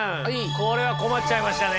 これは困っちゃいましたね。